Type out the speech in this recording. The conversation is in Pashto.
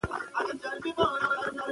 موږ باید خوشحاله اوسو.